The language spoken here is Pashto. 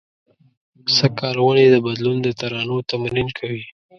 سږ کال ونې د بدلون د ترانو تمرین کوي